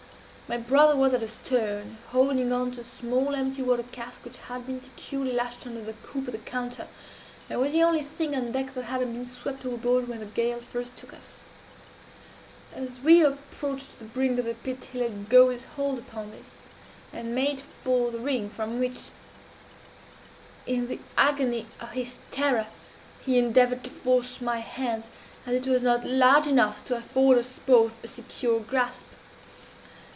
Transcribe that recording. My brother was at stern, holding on to a small empty water cask which had been securely lashed under the coop of the counter, and was the only thing on deck that had not been swept overboard when the gale first took us. As we approached the brink of the pit he let go his hold upon this, and made for the ring, from which, in the agony of his terror, he endeavored to force my hands, as it was not large enough to afford us both a secure grasp.